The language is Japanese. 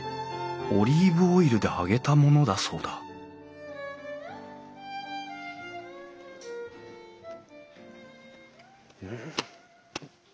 オリーブオイルで揚げたものだそうだうん！